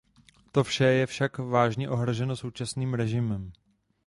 To vše je však vážně ohroženo současným režimem.